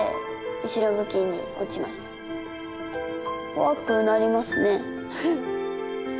怖くなりますね。